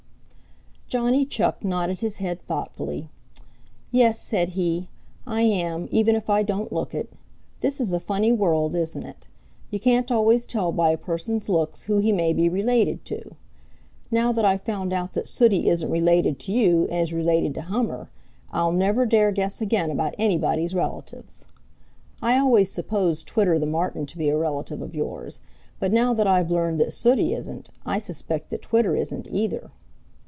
Johnny Chuck nodded his head thoughtfully. "Yes," said he, "I am, even if I don't look it. This is a funny world, isn't it? You can't always tell by a person's looks who he may be related to. Now that I've found out that Sooty isn't related to you and is related to Hummer, I'll never dare guess again about anybody's relatives. I always supposed Twitter the Martin to be a relative of yours, but now that I've learned that Sooty isn't, I suspect that Twitter isn't either."